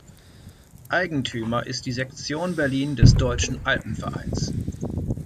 Eigentümer ist die Sektion Berlin des Deutschen Alpenvereins.